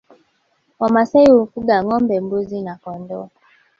Wamasai hufuga ngombe mbuzi na kondoo